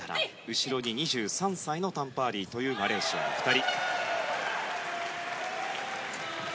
後ろに２３歳のタン・パーリーというマレーシアの２人。